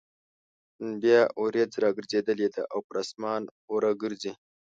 نن بيا اوريځ راګرځېدلې ده او پر اسمان اوره ګرځي